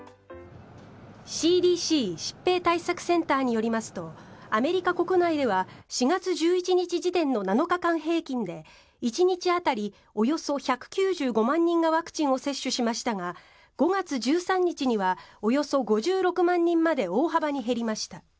ＣＤＣ・疾病対策センターによりますとアメリカ国内では４月１１日時点の７日間平均で１日当たり、およそ１９５万人がワクチンを接種しましたが５月１３日にはおよそ５６万人まで大幅に減りました。